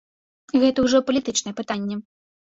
Гэта ўжо палітычнае пытанне.